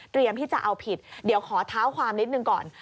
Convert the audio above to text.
ที่จะเอาผิดเดี๋ยวขอเท้าความนิดหนึ่งก่อน